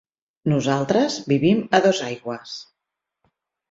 Nosaltres vivim a Dosaigües.